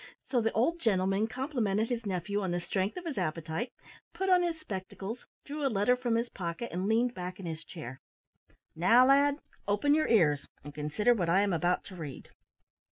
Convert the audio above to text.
So the old gentleman complimented his nephew on the strength of his appetite, put on his spectacles, drew a letter from his pocket, and leaned back in his chair. "Now, lad, open your ears and consider what I am about to read."